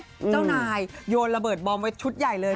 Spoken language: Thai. เจ้านายโยนระเบิดบอมไว้ชุดใหญ่เลย